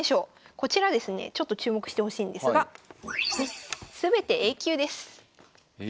こちらですねちょっと注目してほしいんですがすべてＡ級です。え！